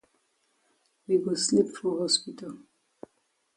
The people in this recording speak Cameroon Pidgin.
We go sleep for hospital.